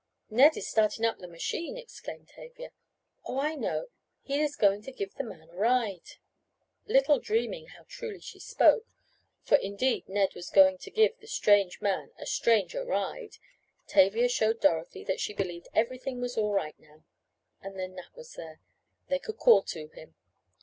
"Ned is starting up the machine," exclaimed Tavia. "Oh, I know. He is going to give the man a ride." Little dreaming how truly she spoke, for indeed Ned was going to give the strange man a stranger ride, Tavia showed Dorothy that she believed everything was all right now, and then Nat was there they could call to him.